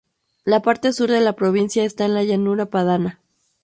La parte sur de la provincia está en la llanura padana.